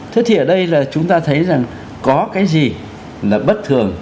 thế thì ở đây là chúng ta thấy rằng có cái gì là bất thường